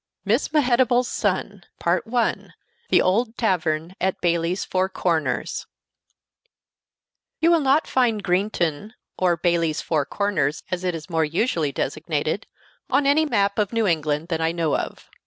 MISS MEHETABEL'S SON I THE OLD TAVERN AT BAYLEY'S FOUR CORNERS You will not find Greenton, or Bayley's Four Corners as it is more usually designated, on any map of New England that I know of.